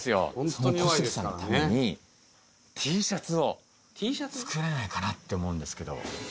その小杉さんのためにＴシャツを作れないかなって思うんですけど。